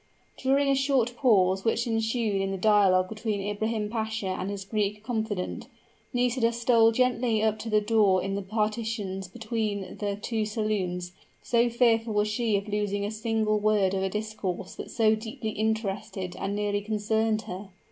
During a short pause which ensued in the dialogue between Ibrahim Pasha and his Greek confidant, Nisida stole gently up to the door in the partitions between the two saloons, so fearful was she of losing a single word of a discourse that so deeply interested and nearly concerned her.